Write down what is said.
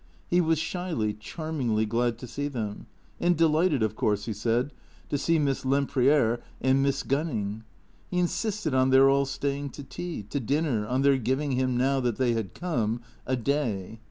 He was shyly, charmingly glad to see them. And delighted, of course, he said, to see Miss Lempriere and Miss Gunning. He insisted on their all staying to tea, to dinner, on their giving him, now that they had come, a day.